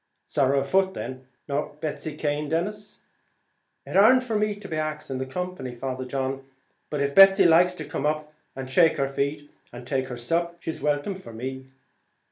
"Sorrow a foot, then!" "Nor Betsy Cane, Denis?" "It ar'nt for me to ax the company, Father John, but if Betsy likes to come up and shake her feet and take her sup, she's welcome for me."